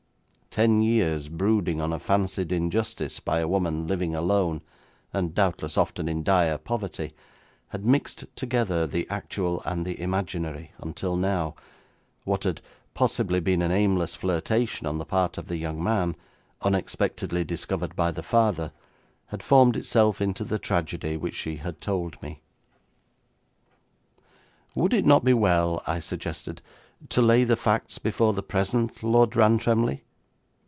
Ten years brooding on a fancied injustice by a woman living alone, and doubtless often in dire poverty, had mixed together the actual and the imaginary until now, what had possibly been an aimless flirtation on the part of the young man, unexpectedly discovered by the father, had formed itself into the tragedy which she had told me. 'Would it not be well,' I suggested, 'to lay the facts before the present Lord Rantremly?'